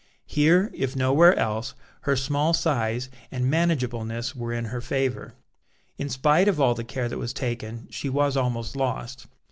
Here, if nowhere else, her small size and manageableness were in her favour. In spite of all the care that was taken, she was almost lost.